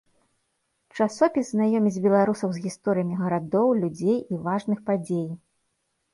Часопіс знаёміць беларусаў з гісторыямі гарадоў, людзей і важных падзей.